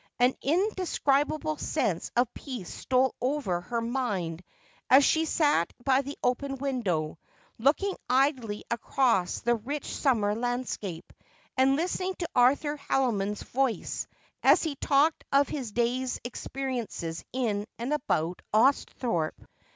An indescribable sense of peace stole over her mind as ehe sat by the open window, looking idly across the rich summer landscape, and listening to Arthur Haldimond's voice as he talked of his day's experiences in and about Austhorpe.